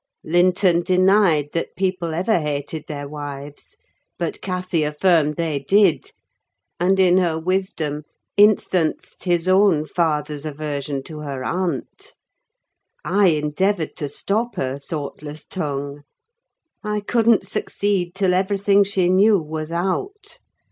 Linton denied that people ever hated their wives; but Cathy affirmed they did, and, in her wisdom, instanced his own father's aversion to her aunt. I endeavoured to stop her thoughtless tongue. I couldn't succeed till everything she knew was out.